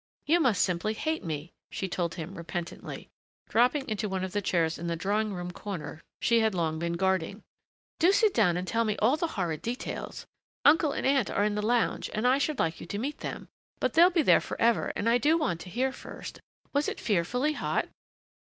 "You must simply hate me," she told him repentantly, dropping into one of the chairs in the drawing room corner she had long been guarding. "Do sit down and tell me all the horrid details.... Uncle and Aunt are in the Lounge, and I should like you to meet them, but they'll be there forever and I do want to hear first.... Was it fearfully hot?"